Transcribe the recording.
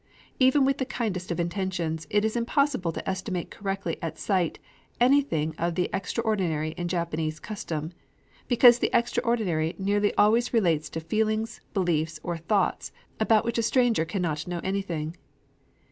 Even with the kindest of intentions it is impossible to estimate correctly at sight anything of the extraordinary in Japanese custom, because the extraordinary nearly always relates to feelings, beliefs, or thoughts about which a stranger cannot know anything.